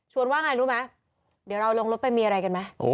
ชวนว่าไงรู้มั้ยเดี๋ยวเราลงรถไปมีอะไรกันมั้ย